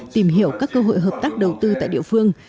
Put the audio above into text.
tìm hiểu các cơ hội hợp tác đầu tư tại địa phương